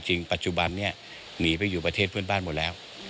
ปัจจุบันนี้หนีไปอยู่ประเทศเพื่อนบ้านหมดแล้ว